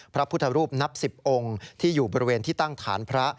พระพุทธรูปนับ๑๐องค์ที่อยู่บริเวณที่ตั้งฐานพระ